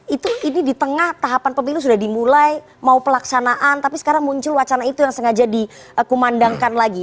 itu ini di tengah tahapan pemilu sudah dimulai mau pelaksanaan tapi sekarang muncul wacana itu yang sengaja dikumandangkan lagi